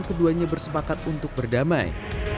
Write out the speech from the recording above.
keduanya bersepakat untuk berdamai